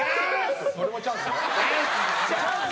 それもチャンス？